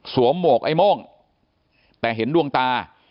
หมวกไอ้โม่งแต่เห็นดวงตา